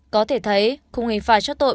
có thể thấy khung hình phạt cho tội